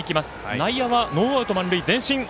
内野はノーアウト、満塁、前進。